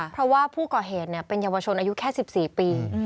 เพราะว่าผู้ก่อเหตุเป็นเยาวชนอายุแค่๑๔ปี